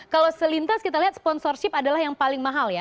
kalau selintas kita lihat sponsorship adalah yang paling mahal ya